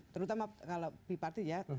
terutama kalau tripartit ya